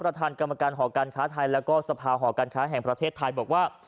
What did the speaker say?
ประธานกรรมการหอการค้าไทยแล้วก็สภาหอการค้าแห่งประเทศไทยบอกว่า